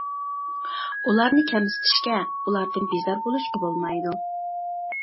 ئۇلارنى كەمسىتىشكە، ئۇلاردىن بىزار بولۇشقا بولمايدۇ.